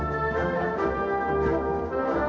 สวัสดีครับ